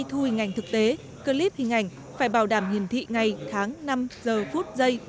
thu hình ảnh thực tế clip hình ảnh phải bảo đảm hiển thị ngày tháng năm giờ phút giây